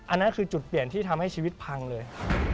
อันนั้นคือจุดเปลี่ยนที่ทำให้ชีวิตพังเลย